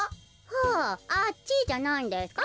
はああっちじゃないんですか？